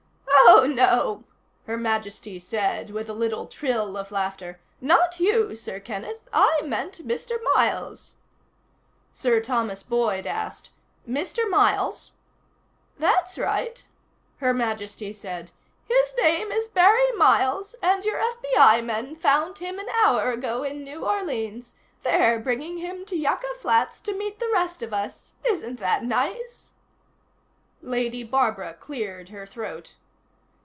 "Oh, no," Her Majesty said with a little trill of laughter, "not you, Sir Kenneth. I meant Mr. Miles." Sir Thomas Boyd asked: "Mr. Miles?" "That's right," Her Majesty said. "His name is Barry Miles, and your FBI men found him an hour ago in New Orleans. They're bringing him to Yucca Flats to meet the rest of us; isn't that nice?" Lady Barbara cleared her throat.